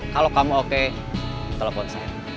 kalau kamu oke telepon saya